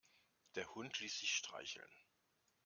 Der Hund ließ sich streicheln.